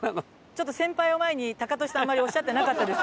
ちょっと先輩を前にタカトシさんあんまりおっしゃってなかったですけど。